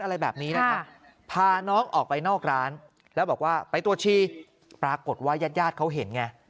อะไรแบบนี้นะครับพาน้องออกไปนอกร้านแล้วบอกว่าไปตรวจชีปรากฏว่าญาติญาติเขาเห็นไง